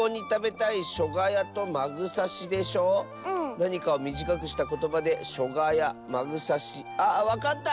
なにかをみじかくしたことばで「しょがや」「まぐさし」。あっわかった！